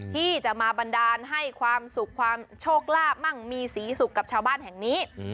ที่จะมาบันดาลให้ความสุขความโชคลาบมั่งมีศรีสุขกับชาวบ้านแห่งนี้